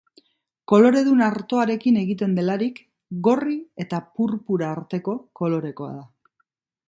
Koloredun artoarekin egiten delarik, gorri eta purpura arteko kolorekoa da.